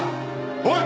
おい！